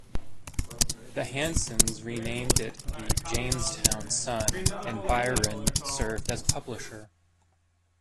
The Hansens renamed it the "Jamestown Sun", and Byron served as publisher.